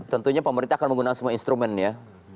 tentunya pemerintah akan menggunakan semua instrumen ya